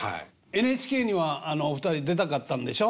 ＮＨＫにはお二人出たかったんでしょ？